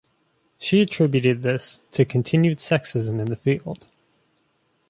She attributed this to continued sexism in the field.